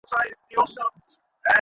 তখনই কুমু ফিরে এসে বললে, কী বলো।